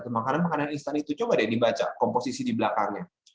makanan makanan instan itu coba deh dibaca komposisi di belakangnya